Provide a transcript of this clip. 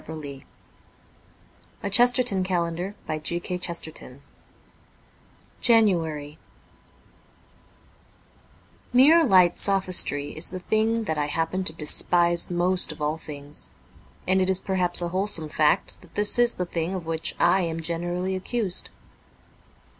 org/details/chestertoncalendOOches January Mere light sophistry is the thing that I happen to despise most of ail things, and it is perhaps a wholesome fact that this is the thing of which I am generally accused.